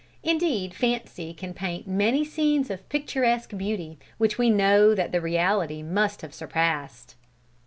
Indeed fancy can paint many scenes of picturesque beauty which we know that the reality must have surpassed.